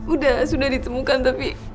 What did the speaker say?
udah sudah ditemukan tapi